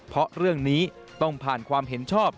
เพราะเรื่องนี้ต้องผ่านความเห็นชอบ